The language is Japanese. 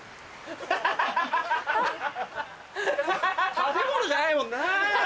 食べ物じゃないもんな！